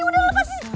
udah lepas sih